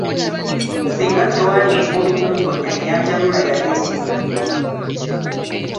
Singa tewaali muvubi kumponya eyanjalula yali esiiridde.